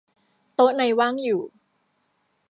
โต๊ะในว่างอยู่